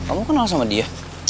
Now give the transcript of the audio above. kamu kenal sama dia